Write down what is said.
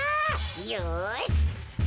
よし！